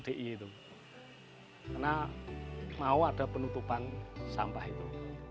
jadi itu karena mau ada penutupan sampah itu